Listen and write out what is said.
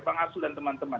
bang arsul dan teman teman